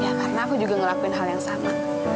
ya karena aku juga ngelakuin hal yang sama